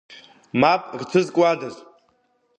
Мап рцәызкуадаз!